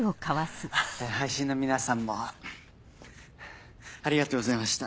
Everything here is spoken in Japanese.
配信の皆さんもありがとうございました。